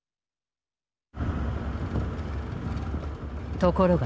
ところが。